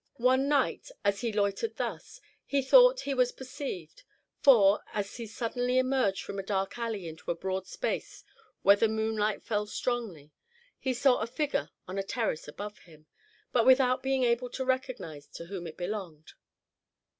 One night, as he loitered thus, he thought he was perceived, for as he suddenly emerged from a dark alley into a broad space where the moonlight fell strongly, he saw a figure on a terrace above him, but without being able to recognize to whom it belonged.